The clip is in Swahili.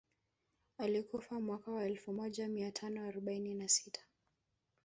Alikufa mwaka wa elfu moja mia tano arobaini na sita